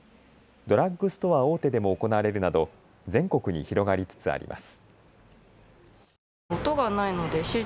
ドラッグストア大手でも行われるなど全国に広がりつつあります。